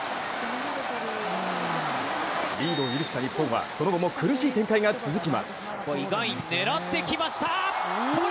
リードを許した日本はその後も苦しい展開が続きます。